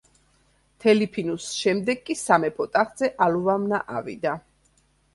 თელიფინუს შემდეგ კი სამეფო ტახტზე ალუვამნა ავიდა.